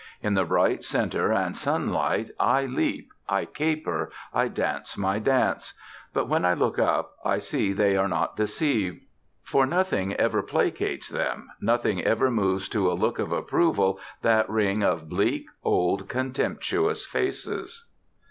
In the bright center and sunlight I leap, I caper, I dance my dance; but when I look up, I see they are not deceived. For nothing ever placates them, nothing ever moves to a look of approval that ring of bleak, old, contemptuous Faces.